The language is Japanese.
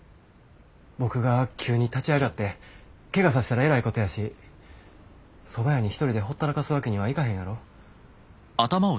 僕が急に立ち上がってけがさせたらえらいことやしそば屋に一人でほったらかすわけにはいかへんやろ？